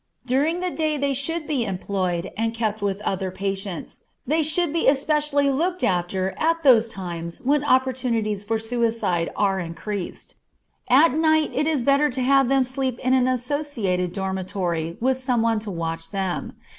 During the day they should be employed and kept with other patients, they should be especially looked after at those times when opportunities for suicide are increased. At night it is better to have them sleep in an associated dormitory with some one to watch them.